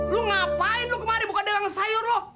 lu ngapain lu kemari buka dagang sayur lu